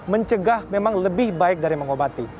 mencegah memang lebih baik dari mengobati